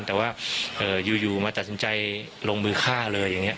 แต่ว่าอยู่มาตัดสินใจลงมือฆ่าเลยอย่างนี้